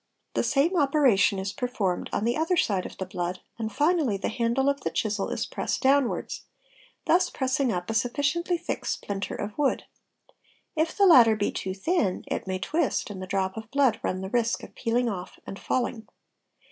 The same operation is performed on the other side of the blood, and finally the handle of the chisel is = Bipressed downwards, thus pressing up a sufficiently thick splinter of wood ; if the latter be too thin it may twist and the drop of blood run the risk of peeling of and falling.